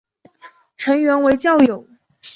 成员为教友。